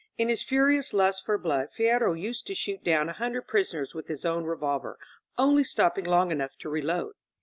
In his furious lust for blood Fierro used to shoot down a hundred prisoners with his own revolver, only stop ping long enough to reload.